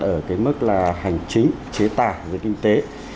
ở cái mức là hành chính chế tài về kinh tế